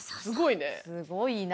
すごいな。